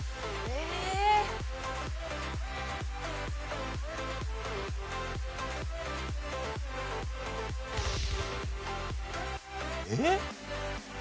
えっ？